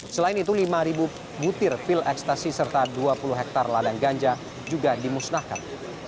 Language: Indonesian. selain itu lima butir pil ekstasi serta dua puluh hektare ladang ganja juga dimusnahkan